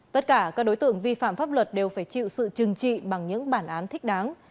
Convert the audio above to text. tất cả các đối tượng vi phạm pháp luật đều phải chịu sự trừng trị bằng những bản án thích đáng